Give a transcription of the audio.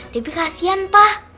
debbie kasihan pa